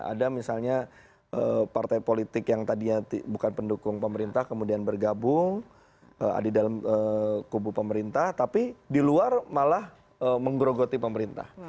ada misalnya partai politik yang tadinya bukan pendukung pemerintah kemudian bergabung di dalam kubu pemerintah tapi di luar malah menggerogoti pemerintah